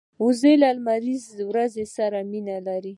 وزې له لمریز ورځو سره مینه لري